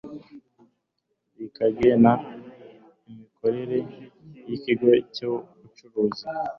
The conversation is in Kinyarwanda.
rikagena imikorere y ikigo cy ubuvuzi